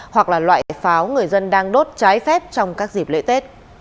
hoặc là loại pháo người dân đang đốt trái phép trong các dịp lễ tết